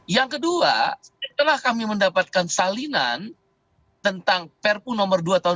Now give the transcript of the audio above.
yang kedua setelah kami mendapatkan salinan tentang perpu nomor dua tahun dua ribu